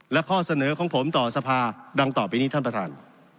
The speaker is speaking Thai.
และข้อเสนอของผมต่อสภาดังต่อไปนี้ท่านประธาน